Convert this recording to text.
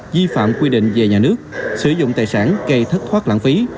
vi phạm quy định về nhà nước sử dụng tài sản gây thất thoát lãng phí